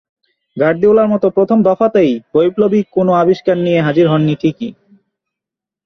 গার্দিওলার মতো প্রথম দফাতেই বৈপ্লবিক কোনো আবিষ্কার নিয়ে হাজির হননি ঠিকই।